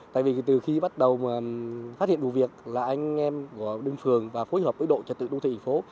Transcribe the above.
tại vì từ khi bắt đầu phát hiện vụ việc là anh em của đường phường và phối hợp với độ trật tự đô thị phố